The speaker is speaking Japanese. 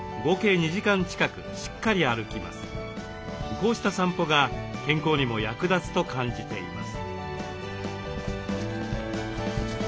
こうした散歩が健康にも役立つと感じています。